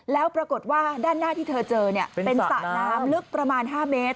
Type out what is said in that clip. แล้วปรากฏว่าด้านหน้าที่เธอเจอเป็นสระน้ำลึกประมาณ๕เมตร